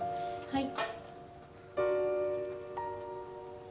はい。